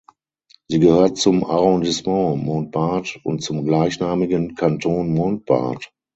Sie gehört zum Arrondissement Montbard und zum gleichnamigen Kanton Montbard.